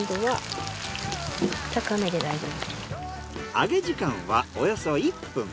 揚げ時間はおよそ１分。